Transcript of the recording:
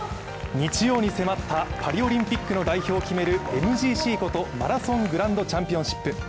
日曜に迫ったパリオリンピックの代表を決めるＭＧＣことマラソングランドチャンピオンシップ。